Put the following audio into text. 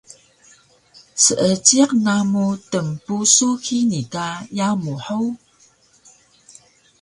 Seejiq namu tnpusu hini ka yamu hug?